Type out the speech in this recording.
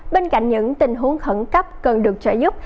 bên cạnh những tình huống khẩn cấp cần được trợ giúp